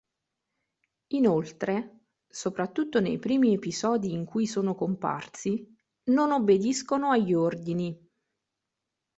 Inoltre, soprattutto nei primi episodi in cui sono comparsi, non obbediscono agli ordini.